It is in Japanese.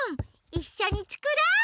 いっしょにつくろう！